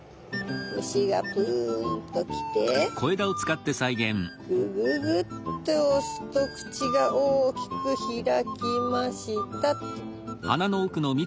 虫がブンと来てグググッと押すと口が大きく開きました。